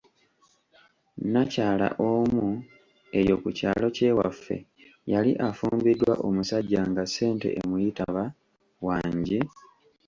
Nnakyala omu eyo ku kyalo kye waffe, yali afumbiddwa omusajja nga ssente emuyitaba," wangi".